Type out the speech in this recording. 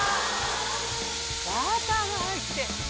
バターが入って！